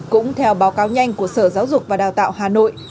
cũng theo báo cáo nhanh của sở giáo dục và đào tạo hà nội